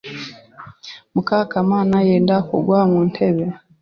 Mukakamana yenda kugwa ku ntebe.